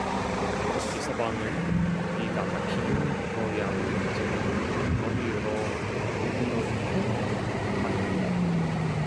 이서방은 기가 막히는 모양인지 머리로 대문을 쿵 받는다.